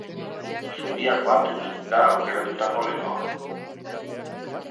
Zubiak batuz da aukeratutako leloa.